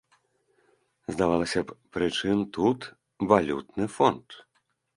Здавалася б, пры чым тут валютны фонд?